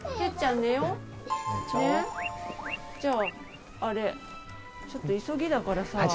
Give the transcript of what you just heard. ねっじゃああれちょっと急ぎだからさ。